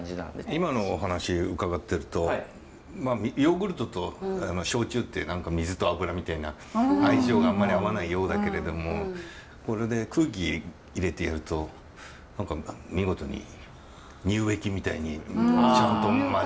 今のお話伺ってるとヨーグルトと焼酎って何か水と油みたいな相性があんまり合わないようだけれどもこれで空気入れてやると何か見事に乳液みたいにちゃんと混じるんですね！